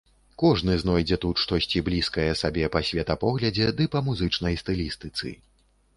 Кожны знойдзе тут штосьці блізкае сабе па светапоглядзе ды па музычнай стылістыцы.